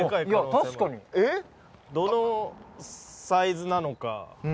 確かにどのサイズなのか